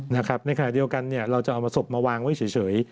ในขณะเดียวกันเราจะเอามาศพมาวางไว้เฉย